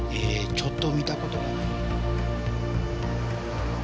ちょっと見た事がない。